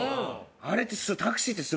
あれって。